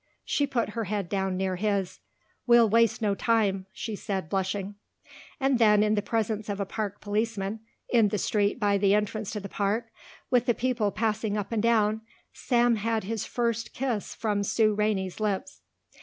She put her head down near his. "We'll waste no time," she said, blushing. And then in the presence of a park policeman, in the street by the entrance to the park with the people passing up and down, Sam had his first kiss from Sue Rainey's lips.